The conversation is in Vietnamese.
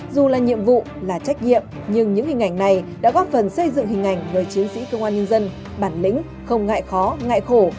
dù là nhiệm vụ là trách nhiệm nhưng những hình ảnh này đã góp phần xây dựng hình ảnh người chiến sĩ công an nhân dân bản lĩnh không ngại khó ngại khổ